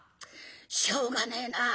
しょうがねえな。